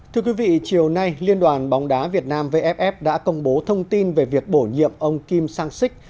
thưa quý vị chiều nay liên đoàn bóng đá việt nam vff đã công bố thông tin về việc bổ nhiệm ông kim sang sik